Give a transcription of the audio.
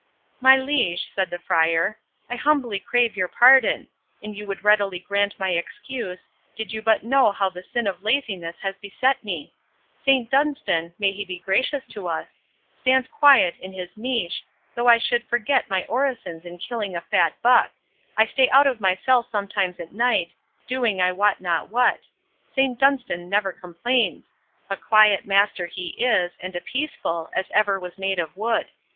"My Liege," said the Friar, "I humbly crave your pardon; and you would readily grant my excuse, did you but know how the sin of laziness has beset me. Saint Dunstan—may he be gracious to us!—stands quiet in his niche, though I should forget my orisons in killing a fat buck—I stay out of my cell sometimes a night, doing I wot not what—Saint Dunstan never complains—a quiet master he is, and a peaceful, as ever was made of wood.